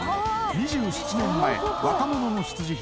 ２７年前若者の必需品